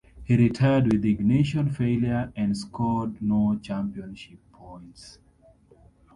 He retired with ignition failure and scored no championship points.